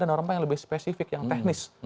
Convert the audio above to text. ada norma yang lebih spesifik yang teknis